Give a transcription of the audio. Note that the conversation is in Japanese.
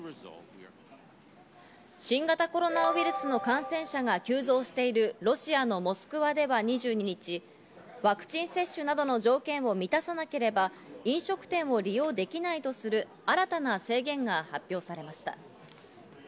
新型コロナウイルスの感染者が急増しているロシアのモスクワでは２２日、ワクチン接種などの条件を満たさなければ、飲食店を利用できないとする新たな政権が発表されました。